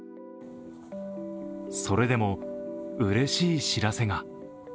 それでも、うれしい知らせが。